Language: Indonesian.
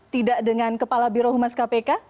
tidak dengan kepala biroh mas kpk